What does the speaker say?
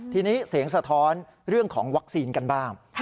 ทีนี้เสียงสะท้อนเรื่องของวัคซีนกันบ้าง